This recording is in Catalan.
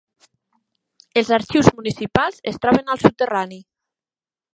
Els arxius municipals es troben al soterrani.